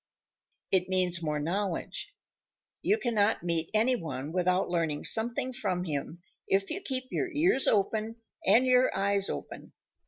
It means more knowledge. You cannot meet any one without learning something from him if you keep your ears open and your eyes open.